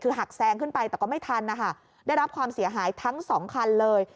คือหักแซงขึ้นไปแต่ก็ไม่ทันนะคะได้รับความเสียหายทั้งสองคันเลย